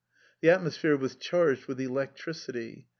The atmosphere was charged with electricity.